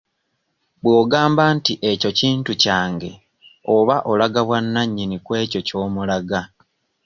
Bw'ogamba nti ekyo kintu kyange oba olaga bwannanyini kw'ekyo ky'omulaga.